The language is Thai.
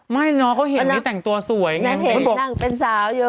ไม่เนอะเขาเห็นนี่แต่งตัวสวยอย่างนี้